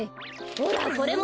ほらこれも！